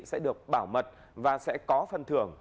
sẽ được bảo mật và sẽ có phần thưởng